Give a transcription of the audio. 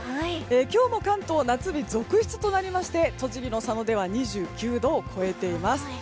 今日も関東は夏日が続出となりまして栃木の佐野では２９度を超えています。